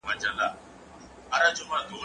لوبه وکړه؟!